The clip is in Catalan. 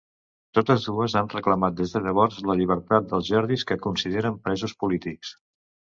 Totes dues han reclamat des de llavors la llibertat dels Jordis, que consideren presos polítics.